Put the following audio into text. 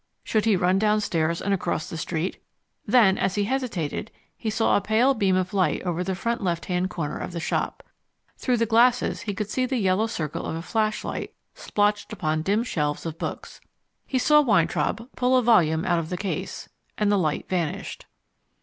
Should he run downstairs and across the street? Then, as he hesitated, he saw a pale beam of light over in the front left hand corner of the shop. Through the glasses he could see the yellow circle of a flashlight splotched upon dim shelves of books. He saw Weintraub pull a volume out of the case, and the light vanished.